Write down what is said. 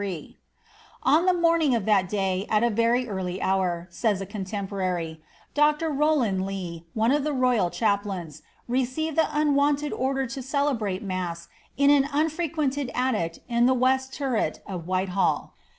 ^On the morning of that day, at a very early hour," says a contempo rary, ^ Dr. Rowland Lee, one of the royal chaplains, received the un wonted order to celebrate mass in an unfrequented attic in the west turret of Whitehall.